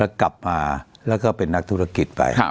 แล้วกลับมาแล้วก็เป็นนักธุรกิจไป